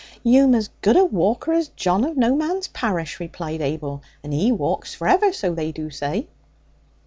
'You'm as good a walker as John of No Man's Parish,' replied Abel, 'and he walks for ever, so they do say.'